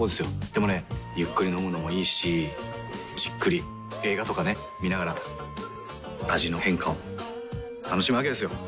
でもねゆっくり飲むのもいいしじっくり映画とかね観ながら味の変化を楽しむわけですよ。